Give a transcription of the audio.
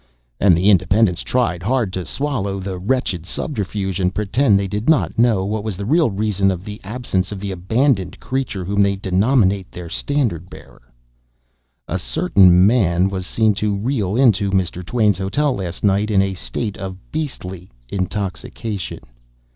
And the Independents tried hard to swallow the wretched subterfuge, and pretend that they did not know what was the real reason of the absence of the abandoned creature whom they denominate their standard bearer. A certain man was seen to reel into Mr. Twain's hotel last night in a state of beastly intoxication.